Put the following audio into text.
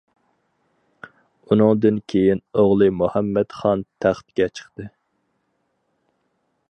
ئۇنىڭدىن كېيىن ئوغلى مۇھەممەت خان تەختكە چىقتى.